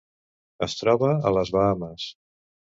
Es troba a les Bahames.